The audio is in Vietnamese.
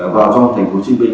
vào trong thành phố hồ chí minh